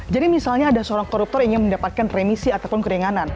jadi misalnya ada seorang koruptor ingin mendapatkan remisi ataupun kedenganan